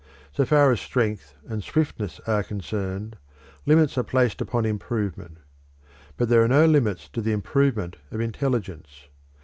So far as strength and swiftness are concerned, limits are placed upon improvement. But there are no limits to the improvement of intelligence.